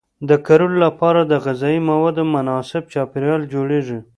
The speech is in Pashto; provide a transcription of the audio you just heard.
د کرلو لپاره د غذایي موادو مناسب چاپیریال جوړیږي.